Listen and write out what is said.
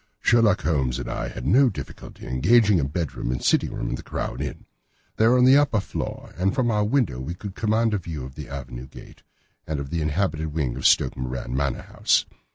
Sherlock Holmes and I had no difficulty in engaging a bedroom and sitting room at the Crown Inn. They were on the upper floor, and from our window we could command a view of the avenue gate, and of the inhabited wing of Stoke Moran Manor House.